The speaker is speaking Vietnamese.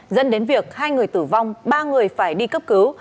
dẫn đến việc hai người tử vong ba người phải đi cấp cứu